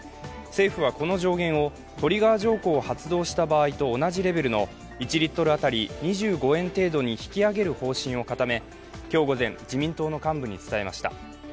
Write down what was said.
政府はこの上限をトリガー条項を発動した場合と同じレベルの１リットル当たり２５円程度に引き上げる方針を固め、今日午前、自民党の幹部に伝えました。